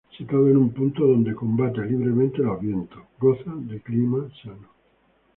Situado en punto donde le combaten libremente los vientos; goza de clima sano.